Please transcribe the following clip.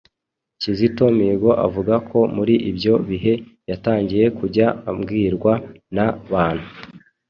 Kizito Mihigo avuga ko muri ibyo bihe yatangiye kujya abwirwa na bantu